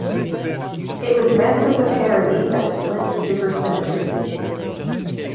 It was meant as a parody of Split Supersymmetry.